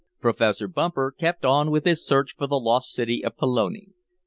Professor Bumper kept on with his search for the lost city of Pelone.